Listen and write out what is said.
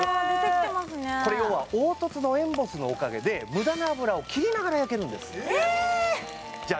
これ要は凹凸のエンボスのおかげでムダな脂を切りながら焼けるんですじゃあ